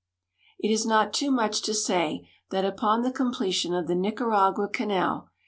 It is not too much to say that upon the comi)letion of the Nicaragua canal.